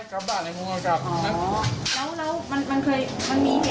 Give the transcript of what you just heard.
หนึ่งปีหรือสองปี